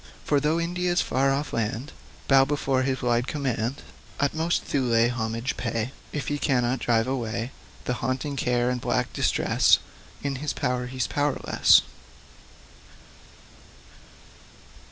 For, though India's far off land Bow before his wide command, Utmost Thule homage pay If he cannot drive away Haunting care and black distress, In his power, he's powerless.